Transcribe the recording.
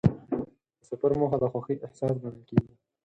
د سفر موخه د خوښۍ احساس ګڼل کېږي.